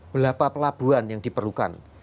berapa pelabuhan yang diperlukan